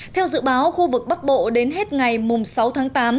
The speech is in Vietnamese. theo dự báo khu vực bắc bộ đến hết ngày sáu tháng tám